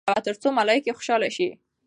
مسواک وکاروه ترڅو ملایکې خوشحاله شي.